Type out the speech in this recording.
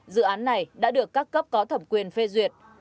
dự án này đã được các cấp có thẩm quyền phê duyệt